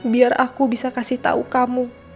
biar aku bisa kasih tahu kamu